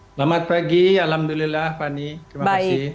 selamat pagi alhamdulillah fani terima kasih